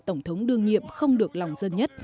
tổng thống đương nhiệm không được lòng dân nhất